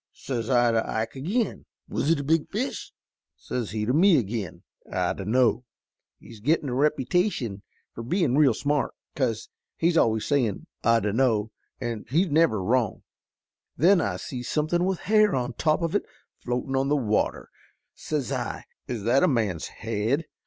Says I to Ike ag'in, 'Was it a big fish?' Says he to me ag'in, 'I dunno.' He's gittin' a repytation for bein' real smart 'cause he's always sayin, 'I dunno,' an' he's never wrong. Then I sees somethin' with hair on top of it floatin' on the water. Says I, 'Is that a man's head?'